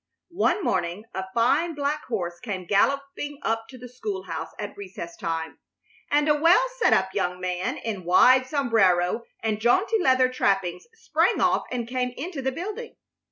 One morning a fine black horse came galloping up to the school house at recess time, and a well set up young man in wide sombrero and jaunty leather trappings sprang off and came into the building.